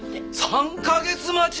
３カ月待ち！？